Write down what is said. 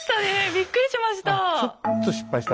びっくりしました。